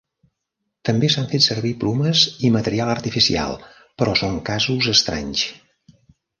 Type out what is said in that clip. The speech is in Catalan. També s'han fet servir plomes i material artificial, però són casos estranys.